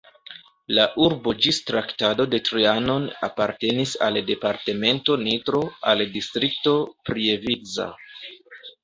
La urbo ĝis Traktato de Trianon apartenis al departemento Nitro, al Distrikto Prievidza.